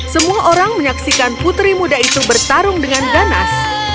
semua orang menyaksikan putri muda itu bertarung dengan ganas